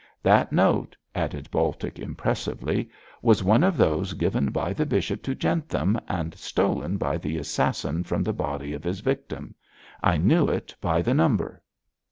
That note,' added Baltic, impressively, 'was one of those given by the bishop to Jentham and stolen by the assassin from the body of his victim. I knew it by the number.'